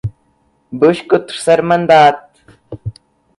Busca o terceiro mandato